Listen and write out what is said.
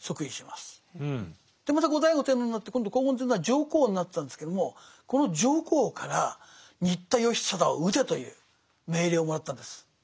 また後醍醐天皇になって今度光厳天皇は上皇になったんですけどもこの上皇から新田義貞を討てという命令をもらったんです。